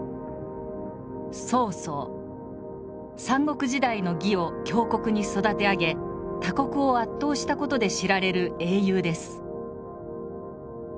三国時代の魏を強国に育て上げ他国を圧倒した事で知られる英雄です。